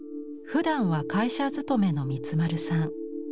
ふだんは会社勤めの満丸さん。